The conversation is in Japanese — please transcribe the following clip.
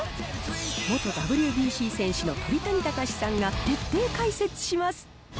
元ＷＢＣ戦士の鳥谷敬さんが徹底解説します。